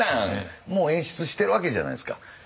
もう演出してるわけじゃないですか。